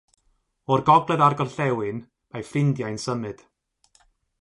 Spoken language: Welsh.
O'r gogledd a'r gorllewin, mae ffrindiau'n symud.